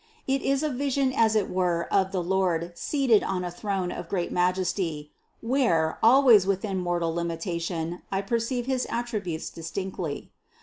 It is a vision as it were of the Lord seated on a throne of great majesty, where, always within mortal limitation, I perceive his attributes distinctly.